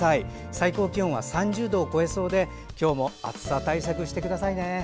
最高気温は３０度を超えそうで今日も暑さ対策してくださいね。